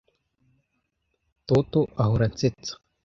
Toto ahora ansetsa.